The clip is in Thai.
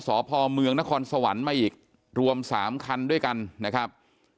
สพเมืองนครสวรรค์มาอีกรวม๓คันด้วยกันนะครับ